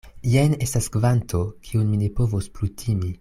Jen estas kvanto, kiun ni ne povos plu timi.